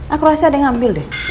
aku rasa ada yang ngambil deh